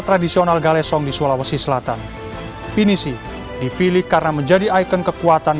tradisional galesong di sulawesi selatan pinisi dipilih karena menjadi ikon kekuatan